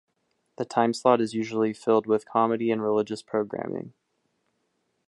The time slot is usually filled with comedy and religious programming.